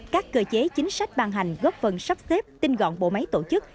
các cơ chế chính sách ban hành góp phần sắp xếp tinh gọn bộ máy tổ chức